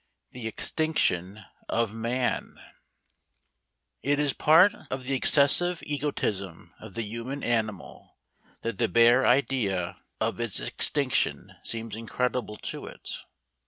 THE EXTINCTION OF MAN It is part of the excessive egotism of the human animal that the bare idea of its extinction seems incredible to it.